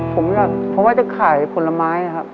ผมอยากจะขายผลไม้ครับ